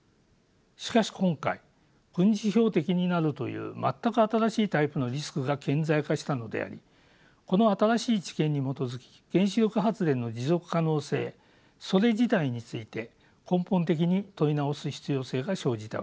しかし今回軍事標的になるという全く新しいタイプのリスクが顕在化したのでありこの新しい知見に基づき原子力発電の持続可能性それ自体について根本的に問い直す必要性が生じたわけです。